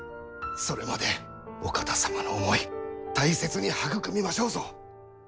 それまでお方様の思い大切に育みましょうぞ。